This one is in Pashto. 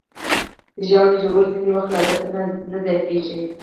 ژاوله ژوول ځینې وخت له عادت نه زیاتېږي.